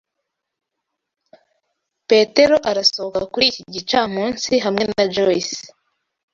Petero arasohoka kuri iki gicamunsi hamwe na Joyce.